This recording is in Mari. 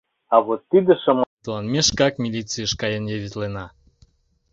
— А вот тиде шомакетлан ме шкак милицийыш каен явитлена.